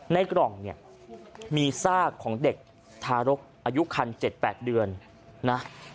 ในกล่องเนี่ยมีซากของเด็กทารกอายุคัน๗๘เดือนนะ